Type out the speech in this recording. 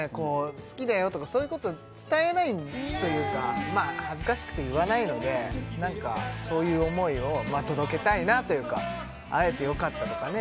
「好きだよ」とかそういうこと伝えないというかまあ恥ずかしくて言わないので何かそういう思いを届けたいなというか「会えてよかった」とかね